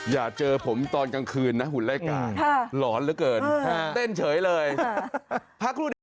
อย่าเจอผมตอนกลางคืนนะหุ่นรายการหลอนเหลือเกินเต้นเฉยเลยพักครู่เดียว